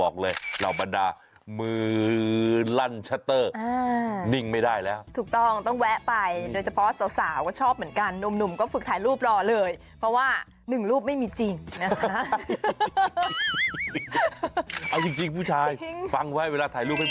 คุณชะนักก็ชอบอ่ะสิฮ่า